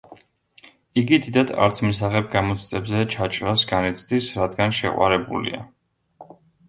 იგი დიდად არც მისაღებ გამოცდებზე ჩაჭრას განიცდის, რადგან შეყვარებულია.